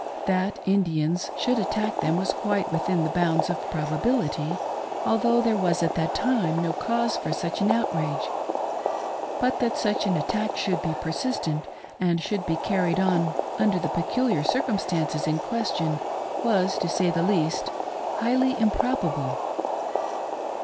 That Indians should attack them was quite within the bounds of probability, although there was at that time no cause for such an outrage ; but tha:t such an attack should be persistent, and should be carried on under the peculiar circumstances in question, was, to say the least, highly improbable.